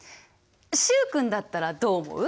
習君だったらどう思う？